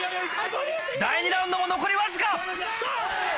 第２ラウンドも残りわずか。